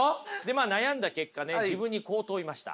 まあ悩んだ結果ね自分にこう問いました。